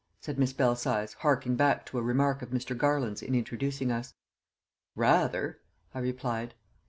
said Miss Belsize, harking back to a remark of Mr. Garland's in introducing us. "Rather!" I replied.